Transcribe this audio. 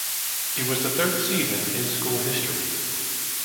It was the third season in school history.